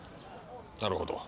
なるほど。